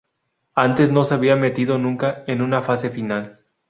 Antes no se había metido nunca en una fase final.